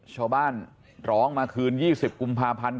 ชาวบ้านร้องมาคืน๒๐กุมภาพันธ์